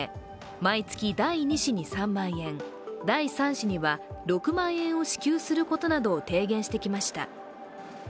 毎月第２子の３万円第３子には６万円を支給することなどを提言してきました。